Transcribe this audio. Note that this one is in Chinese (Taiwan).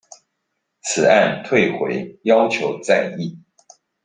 此案退回要求再議